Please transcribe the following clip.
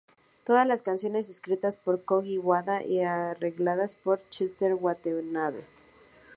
Todas las canciones escritas por Kōji Wada y arregladas por Cher Watanabe